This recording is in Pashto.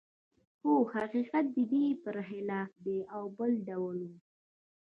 خو حقیقت د دې پرخلاف دی او بل ډول و